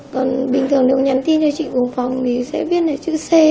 còn bình thường nếu nhắn tin cho chị cùng phòng thì sẽ biết là chữ c